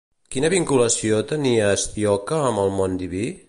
Quina vinculació tenia Astíoque amb el món diví?